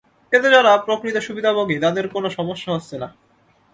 এতে যারা প্রকৃত সুবিধাভোগী, তাদের কোনো সমস্যা হচ্ছে না।